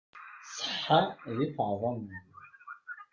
Ṣṣeḥa di teɛḍamin.